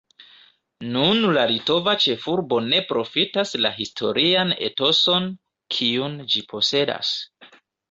Nun la litova ĉefurbo ne profitas la historian etoson, kiun ĝi posedas.